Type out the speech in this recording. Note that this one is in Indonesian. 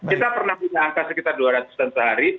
kita pernah punya angka sekitar dua ratus an sehari